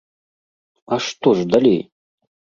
А што ж далей?